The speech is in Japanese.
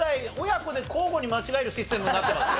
親子で交互に間違えるシステムになってます？